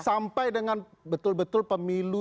sampai dengan betul betul pemilu